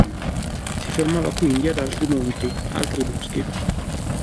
Si fermava quindi ad altri monti, altri boschi.